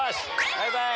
バイバイ。